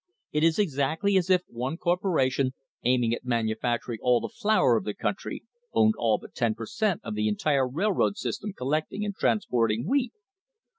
It is exactly as if one corpora tion aiming at manufacturing all the flour of the country owned all but ten per cent, of the entire railroad system collecting and transporting wheat.